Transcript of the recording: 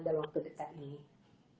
dalam waktu dekat ini